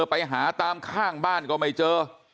ไปหาตามข้างบ้านก็ไม่เจอ